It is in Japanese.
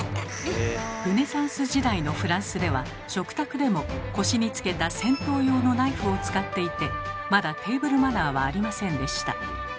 ルネサンス時代のフランスでは食卓でも腰につけた戦闘用のナイフを使っていてまだテーブルマナーはありませんでした。